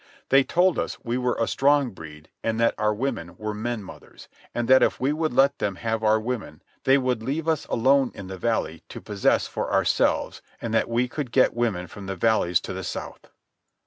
They told us we were a strong breed, and that our women were men mothers, and that if we would let them have our women they would leave us alone in the valley to possess for ourselves and that we could get women from the valleys to the south.